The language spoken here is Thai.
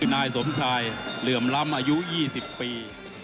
นายสมชายเหลื่อมล้ำอายุ๒๐ปี